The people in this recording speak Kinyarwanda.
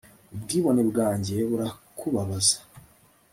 ubwibone bwanjye burakubabaza